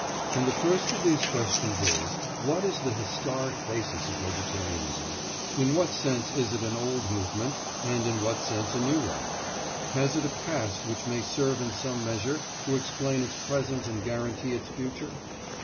And the first of these questions is, What is the historic basis of vegetarianism? In what sense is it an old movement, and in what sense a new one? Has it a past which may serve in some measure to explain its present and guarantee its future?